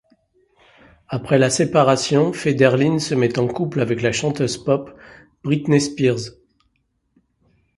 Après la séparation, Federline se met en couple avec la chanteuse pop Britney Spears.